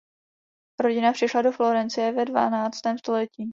Rodina přišla do Florencie ve dvanáctém století.